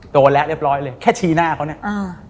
โดนแล้วเรียบร้อยเลยแค่ชี้หน้าเขาเนี่ยอ่า